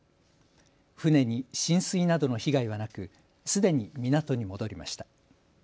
船に浸水などの被害はなくすでに港に戻りました。